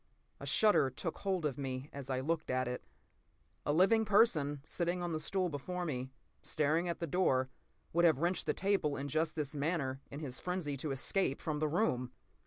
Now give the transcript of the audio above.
A shudder took hold of me as I looked at it. A living person, sitting on the stool before me, staring at the door, would have wrenched the table in just this manner in his frenzy to escape from the room!